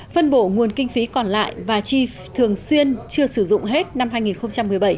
phân bổ nguồn kinh phí còn lại và chi thường xuyên chưa sử dụng hết năm hai nghìn một mươi bảy